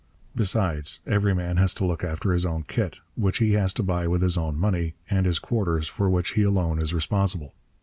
Besides, every man has to look after his own kit, which he has to buy with his own money, and his quarters, for which he alone is responsible.